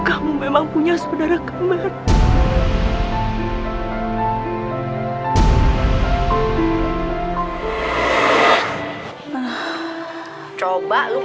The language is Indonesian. kamu memang punya saudara kemana